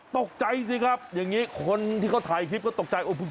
ตกใจสิครับอย่างนี้คนที่เขาถ่ายคลิปก็ตกใจ